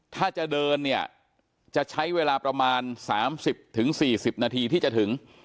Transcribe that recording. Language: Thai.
ถ้าจะเดินเนี่ยจะใช้เวลาประมาณ๓๐๔๐นาทีที่จะถึง